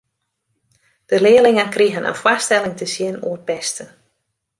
De learlingen krigen in foarstelling te sjen oer pesten.